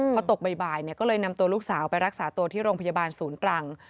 พอตกบ่ายก็เลยนำตัวลูกสาวไปรักษาตัวที่โรงพยาบาลศูนย์ตรัง